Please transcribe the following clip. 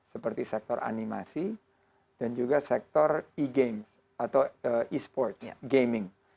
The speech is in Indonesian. seperti sektor animasi dan juga sektor e games atau e sports gaming